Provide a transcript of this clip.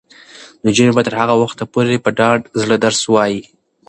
نجونې به تر هغه وخته پورې په ډاډه زړه درس وايي.